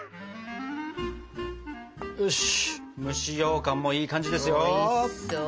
よし蒸しようかんもいい感じですよ！